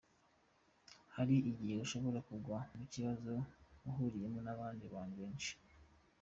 Hari igihe ushobora kugwa mu kibazo uhuriyemo n’abandi bantu benshi.